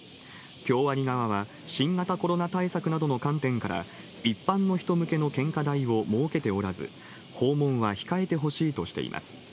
京アニ側は、新型コロナ対策などの観点から、一般の人向けの献花台を設けておらず、訪問は控えてほしいとしています。